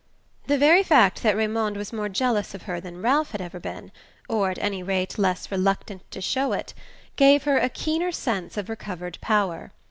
The very fact that Raymond was more jealous of her than Ralph had ever been or at any rate less reluctant to show it gave her a keener sense of recovered power.